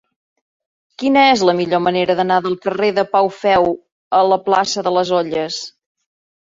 Quina és la millor manera d'anar del carrer de Pau Feu a la plaça de les Olles?